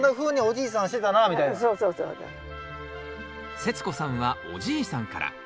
世津子さんはおじいさんから。